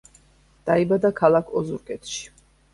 დაიბადა ქალაქ ოზურგეთში.